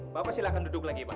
bapak silahkan duduk lagi pak